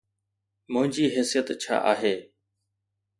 منهنجي حيثيت ڇا آهي؟